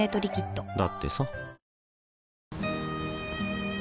だってさ